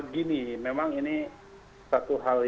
gini memang ini satu hal